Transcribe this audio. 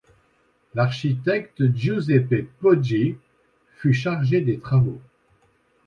L’architecte Giuseppe Pòggi fut chargé des travaux.